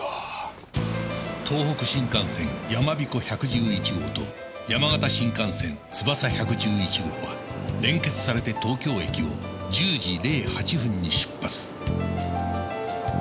東北新幹線やまびこ１１１号と山形新幹線つばさ１１１号は連結されて東京駅を１０時０８分に出発